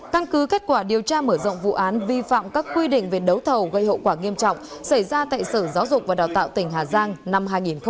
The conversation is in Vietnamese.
căn cứ kết quả điều tra mở rộng vụ án vi phạm các quy định về đấu thầu gây hậu quả nghiêm trọng xảy ra tại sở giáo dục và đào tạo tỉnh hà giang năm hai nghìn một mươi bảy